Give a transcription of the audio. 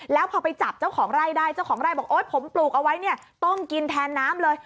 แล้วพอไปจับเจ้าของไร่ได้เจ้าของไร่บอกโอ๊ยผมปลูกเอาไว้เนี่ยต้มกินแทนน้ำเลย